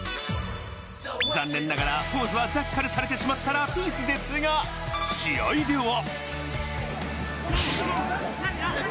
残念ながらポーズはジャッカルされてしまったラピースですが、試合では。